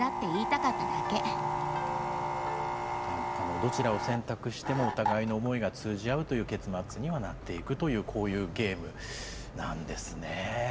どちらを選択してもお互いの思いが通じ合うという結末にはなっていくというこういうゲームなんですね。